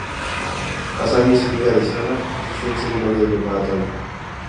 Asami es amiga de Sana y está en segundo año de preparatoria.